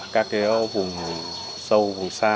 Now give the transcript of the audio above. các vùng sâu vùng xa